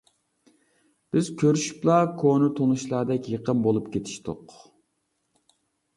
بىز كۆرۈشۈپلا كونا تونۇشلاردەك يېقىن بولۇپ كېتىشتۇق.